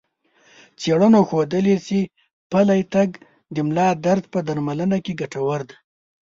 څېړنو ښودلي چې پلی تګ د ملا درد په درملنه کې ګټور دی.